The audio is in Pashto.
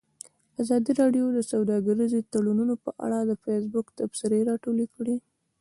ازادي راډیو د سوداګریز تړونونه په اړه د فیسبوک تبصرې راټولې کړي.